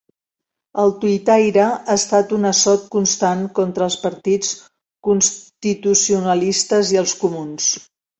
El tuitaire ha estat un assot constant contra els partits constitucionalistes i els comuns.